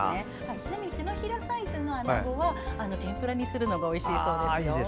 ちなみに手のひらサイズのアナゴは天ぷらにするのがおいしいそうです。